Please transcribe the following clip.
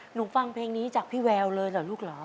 หนูฟังเพลงนี้จากพี่แววเลยเหรอลูกเหรอ